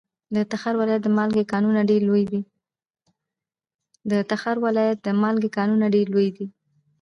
د تخار ولایت د مالګې کانونه ډیر لوی دي.